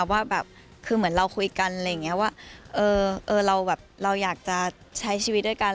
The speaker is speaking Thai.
ว่าเหมือนเราคุยกันว่าเราอยากจะใช้ชีวิตด้วยกัน